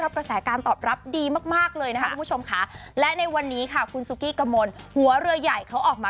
พร้อมกันเลยค่ะ